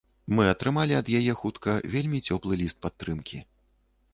Мы атрымалі ад яе хутка вельмі цёплы ліст падтрымкі.